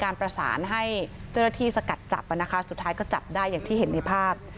ประสานให้เจ้าหน้าที่สกัดจับนะคะสุดท้ายก็จับได้อย่างที่เห็นในภาพ